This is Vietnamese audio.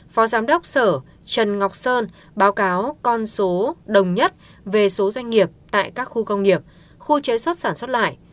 phó giám đốc sở trần ngọc sơn báo cáo con số đồng nhất về số doanh nghiệp tại các khu công nghiệp khu chế xuất sản xuất lại